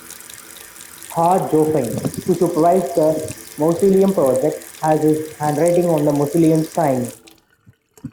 Hua Guofeng, who supervised the mausoleum project, has his handwriting on the mausoleum's sign.